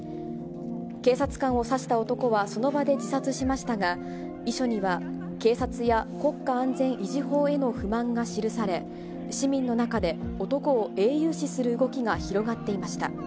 警察官を刺した男はその場で自殺しましたが、遺書には、警察や国家安全維持法への不満が記され、市民の中で男を英雄視する動きが広がっていました。